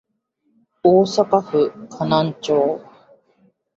大阪府河南町